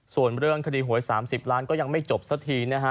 ส่วนเรื่องคดีหวย๓๐ล้านก็ยังไม่จบสักทีนะฮะ